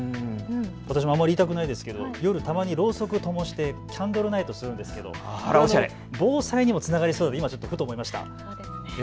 私もあまり言いたくないですけど夜、たまにろうそくをともしてキャンドルナイトをするんですけれど防災にもつながると今、ふと思いました。